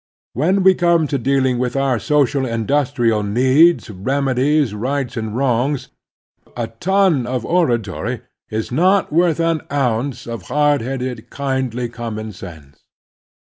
When we come to dealing with our social and industrial a85 386 The Strenuous Life needs, remedies, rights and wrongs, a ton of ora tory is not worth an ounce of hard headed, kindly common sense.